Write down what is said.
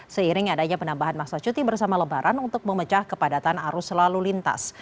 seiring adanya penambahan masa cuti bersama lebaran untuk memecah kepadatan arus lalu lintas